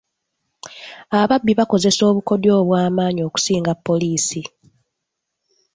Ababbi bakozesa obukodyo obw'amaanyi okusinga poliisi.